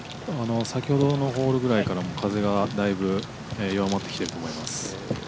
先ほどのホールぐらいから風がだいぶ弱まってきてると思います。